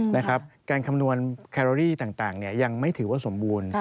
นะครับการคำนวณแครอรี่ต่างยังไม่ถือว่าสมบูรณ์